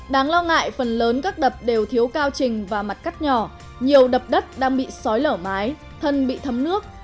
đáng lo ngại phần lớn các đập đều thiếu cao trình và mặt cắt nhỏ nhiều đập đất đang bị sói lở mái thân bị thấm nước